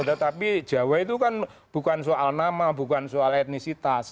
tetapi jawa itu kan bukan soal nama bukan soal etnisitas